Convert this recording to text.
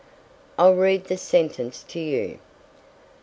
I'll read the sentence to you.